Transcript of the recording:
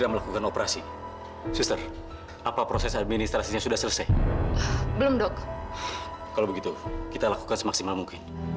dan pengen cinta keluarganya pak